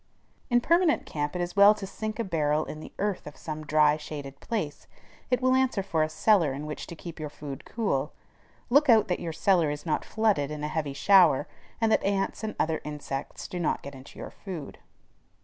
In permanent camp it is well to sink a barrel in the earth in some dry, shaded place; it will answer for a cellar in which to keep your food cool. Look out that your cellar is not flooded in a heavy shower, and that ants and other insects do not get into your food.